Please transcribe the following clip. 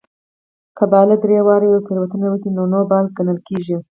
که بالر درې واري يوه تېروتنه وکي؛ نو نو بال ګڼل کیږي.